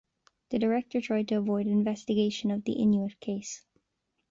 The director tried to avoid investigation of the Inuit case.